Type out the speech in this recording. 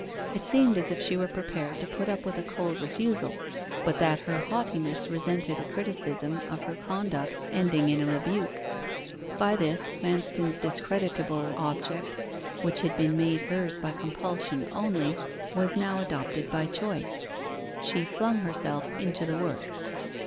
It seemed as if she were prepared to put up with a cold refusal, but that her haughtiness resented a criticism of her conduct ending in a rebuke. By this, Manston's discreditable object, which had been made hers by compulsion only, was now adopted by choice. She flung herself into the work.